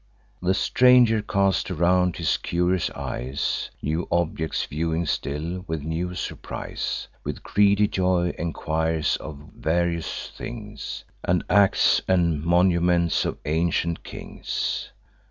The stranger cast around his curious eyes, New objects viewing still, with new surprise; With greedy joy enquires of various things, And acts and monuments of ancient kings.